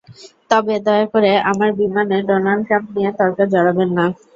তবে দয়া করে আমার বিমানে ডোনাল্ড ট্রাম্প নিয়ে তর্কে জড়াবেন না।